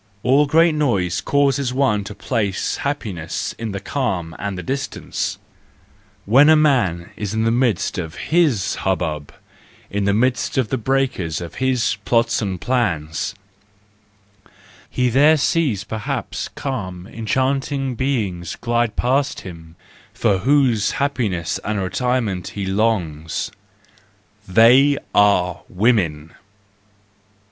All great noise causes one to place happiness in the calm and the distance. When a man is in the midst of his hubbub, in the midst of the breakers of his plots and plans, he there sees perhaps calm, enchanting beings glide past him, for whose happiness and retirement he longs —they are women